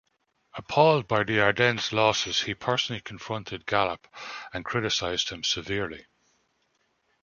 Appalled by the Ardennes losses, he personally confronted Gollob and criticised him severely.